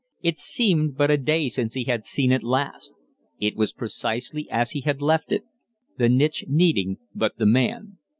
It seemed but a day since he had seen it last. It was precisely as he had left it the niche needing but the man.